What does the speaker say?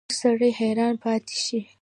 اوس سړی حیران پاتې شي.